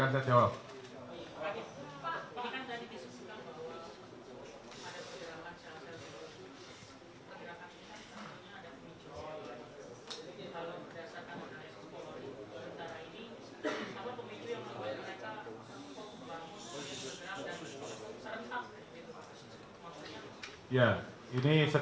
masih dalam analisa